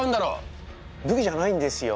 武器じゃないんですよ。